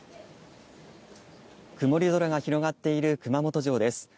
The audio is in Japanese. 曇り空が広がっている熊本城です。